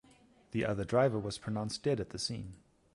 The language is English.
The other driver was pronounced dead at the scene.